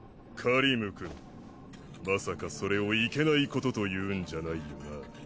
カリムくんまさかそれをいけないことと言うんじゃないよな。